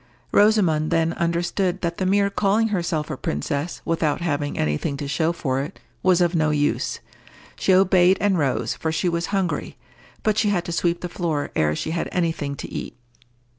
Rosamond then understood that the mere calling herself a princess, without having any thing to show for it, was of no use. She obeyed and rose, for she was hungry; but she had to sweep the floor ere she had any thing to eat.